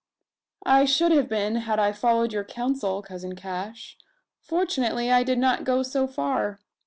"I should have been had I followed your counsel, cousin Cash. Fortunately I did not go so far.